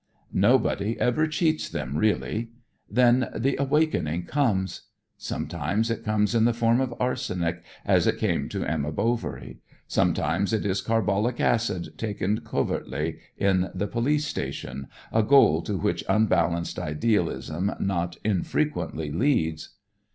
Nobody ever cheats them, really. Then "the awakening" comes. Sometimes it comes in the form of arsenic, as it came to "Emma Bovary," sometimes it is carbolic acid taken covertly in the police station, a goal to which unbalanced idealism not infrequently leads.